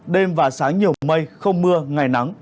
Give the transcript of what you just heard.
đêm và sáng nhiều mây không mưa ngày nắng